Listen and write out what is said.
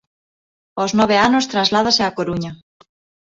Aos nove anos trasládase á Coruña.